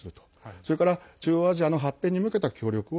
それから、中央アジアの発展に向けた協力を